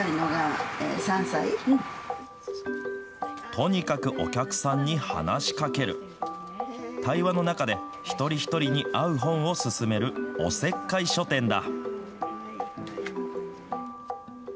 とにかくお客さんに話しかける対話の中で一人一人に合う本を薦めるおせっかい書店だ。